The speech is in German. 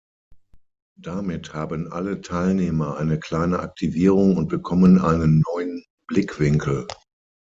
Damit haben alle Teilnehmer eine kleine Aktivierung und bekommen einen „neuen Blickwinkel“.